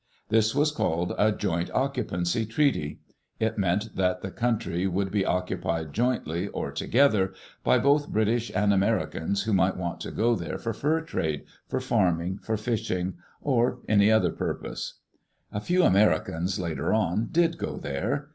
This was called a "joint occupancy" treaty. It meant that the country would be occupied jointly, or to gether, by both British and Americans who might want to go there for fur trade, for farming, for fishing, or any other purpose. A few Americans, later on, did go there.